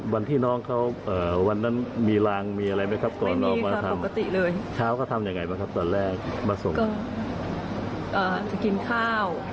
ก็ต้องใช้ขวาปลูกภัณฑ์แถวเวียนสหาว